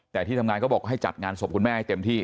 แต่ที่ทำงานก็บอกให้จัดงานศพคุณแม่ให้เต็มที่